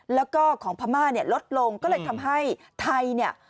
แล้วก็ของพม่าลดลงก็เลยทำให้ไทย